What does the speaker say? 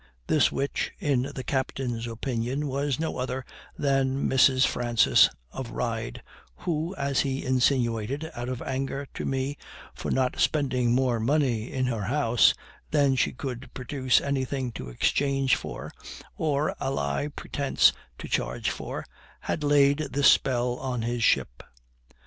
This witch, in the captain's opinion, was no other than Mrs. Francis of Ryde, who, as he insinuated, out of anger to me for not spending more money in her house than she could produce anything to exchange for, or ally pretense to charge for, had laid this spell on his ship.